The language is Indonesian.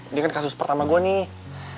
ini kan kasus pertama gue nih